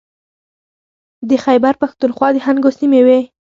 د خیبر پښتونخوا د هنګو سیمې و.